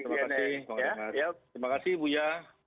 terima kasih buya